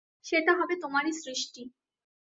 সেটা হবে তোমারই সৃষ্টি।